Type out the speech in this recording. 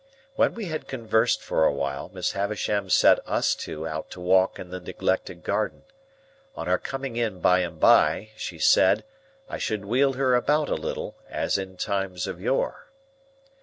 When we had conversed for a while, Miss Havisham sent us two out to walk in the neglected garden: on our coming in by and by, she said, I should wheel her about a little, as in times of yore.